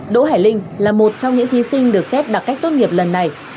đỗ hải linh là một trong những thí sinh được xét đặc cách tốt nghiệp lần này